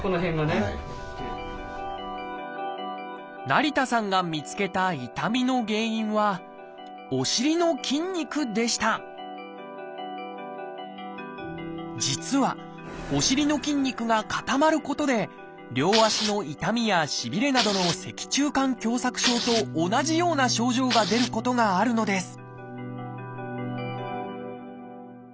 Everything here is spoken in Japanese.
成田さんが見つけた痛みの原因はお尻の筋肉でした実はお尻の筋肉が固まることで両足の痛みやしびれなどの脊柱管狭窄症と同じような症状が出ることがあるのです